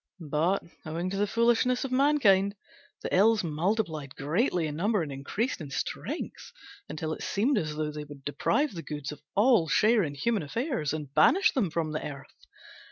But owing to the foolishness of mankind the Ills multiplied greatly in number and increased in strength, until it seemed as though they would deprive the Goods of all share in human affairs, and banish them from the earth.